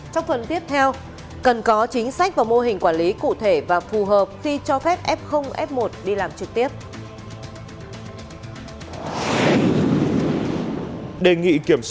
trong phần tiếp theo cần có chính sách và mô hình quản lý cụ thể và phù hợp khi cho phép f f một đi làm trực tiếp